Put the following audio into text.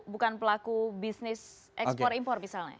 bukan pelaku bisnis ekspor impor misalnya